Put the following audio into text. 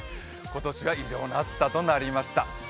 今年は異常な暑さとなりました。